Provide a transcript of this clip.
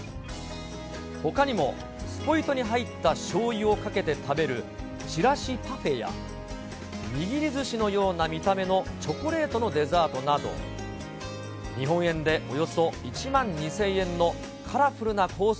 ほかにもスポイトに入ったしょうゆをかけて食べるちらしパフェや、握りずしのような見た目のチョコレートのデザートなど、日本円でおよそ１万２０００円のカラフルなコース